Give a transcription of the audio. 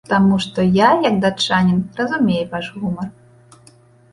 Таму што я як датчанін разумею ваш гумар.